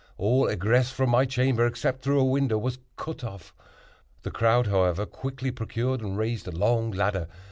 All egress from my chamber, except through a window, was cut off. The crowd, however, quickly procured and raised a long ladder.